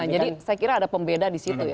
jadi saya kira ada pembeda di situ ya